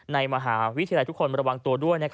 ในมหาวิทยาลัยทุกคนระวังตัวด้วย